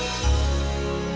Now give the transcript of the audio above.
tante aku sudah selesai